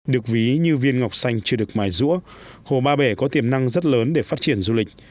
được ví như viên ngọc xanh chưa được mài rũa hồ ba bể có tiềm năng rất lớn để phát triển du lịch